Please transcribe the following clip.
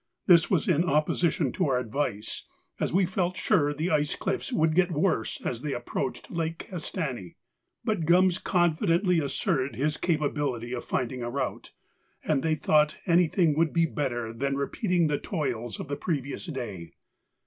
This was in opposition to our advice, as we felt sure the ice cliffs would get worse as they approached Lake Castani; but Gums confidently asserted his capability of finding a route, and they thought anything would be better than repeating the toils of the previous day.